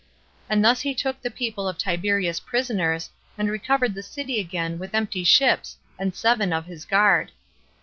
And thus he took the people of Tiberias prisoners, and recovered the city again with empty ships and seven of his guard.